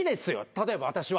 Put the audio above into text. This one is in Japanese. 例えば私は。